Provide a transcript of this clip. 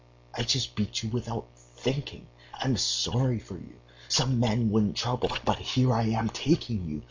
I just beat you without thinking. I am sorry for you. Some men wouldn't trouble, but here I am taking you....